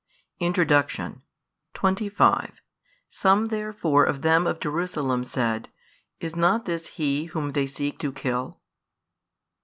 [Introduction] 25 Some therefore of them of Jerusalem said, Is not This He whom they seek to kill?